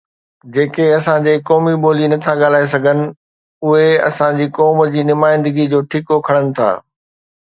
جيڪي اسان جي قومي ٻولي نٿا ڳالهائي سگهن، اهي اسان جي قوم جي نمائندگيءَ جو ٺيڪو کڻن ٿا.